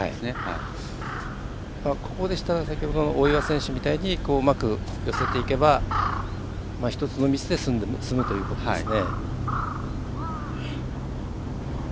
ここでしたら大岩選手みたいにうまく寄せれば１つのミスで済むというところですね。